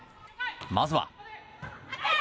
まずは。